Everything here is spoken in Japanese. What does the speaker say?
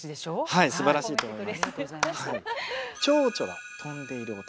はいすばらしいと思います。